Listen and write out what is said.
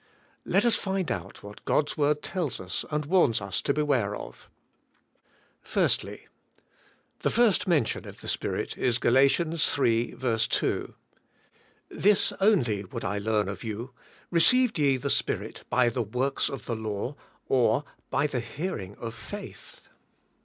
Let us find out what God's word tells us and warns us to beware of. 1. The first mention of the Spirit is Gal. 3:2. *'This only would I learn of you, received ye the Spirit by the works of the law, or by the hearing of faith?"